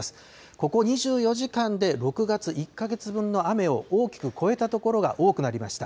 ここ２４時間で６月１か月分の雨を大きく超えた所が多くなりました。